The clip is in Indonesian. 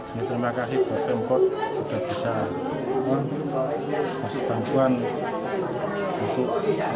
ini rumah orang tua saya